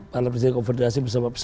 para presiden konfederasi bersama